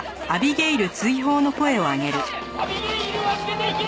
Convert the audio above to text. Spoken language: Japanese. アビゲイルは出ていけ！